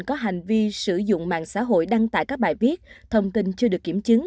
có hành vi sử dụng mạng xã hội đăng tải các bài viết thông tin chưa được kiểm chứng